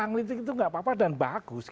anglitik itu nggak apa apa dan bagus